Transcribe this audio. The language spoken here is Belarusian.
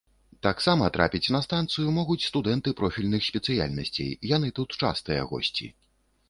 Таксама трапіць на станцыю могуць студэнты профільных спецыяльнасцей, яны тут частыя госці.